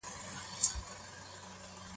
پیر محمد کاروان یو معاصر او خوږژبی شاعر دی.